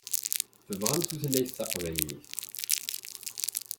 Tebɣam tutlayt taqbaylit.